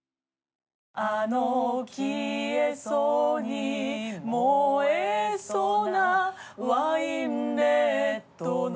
「あの消えそうに燃えそうなワインレッドの」